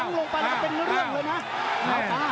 ลงไปเป็นเรื่องเลยนะ